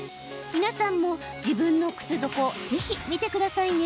皆さんも自分の靴底をぜひ見てくださいね。